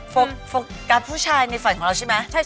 โฟกัสผู้ชายในฝันของเราใช่ไหม